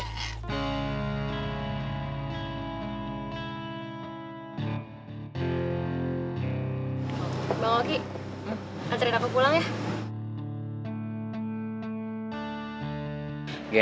bang oki nantikan aku pulang ya